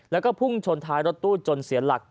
แล้วก็พุ่งชนท้ายรถตู้จนเสียหลัก